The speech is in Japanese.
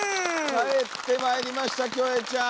帰ってまいりましたキョエちゃん！